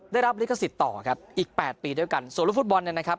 ได้รับลิขสิทธิ์ต่อครับอีกแปดปีด้วยกันส่วนลูกฟุตบอลเนี่ยนะครับ